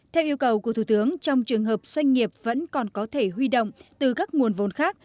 theo yêu cầu của thủ tướng trong trường hợp doanh nghiệp vẫn còn có thể huy động từ các nguồn vốn khác